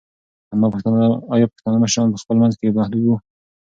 ایا پښتانه مشران په خپل منځ کې متحد وو؟